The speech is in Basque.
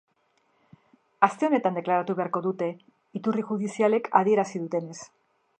Aste honetan deklaratu beharko dute, iturri judizialek adierazi dutenez.